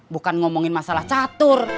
bukan ngomongin masalah catur